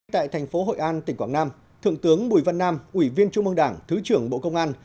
tại thành phố hội an tỉnh quảng nam thượng tướng bùi văn nam ủy viên trung mương đảng thứ trưởng bộ công an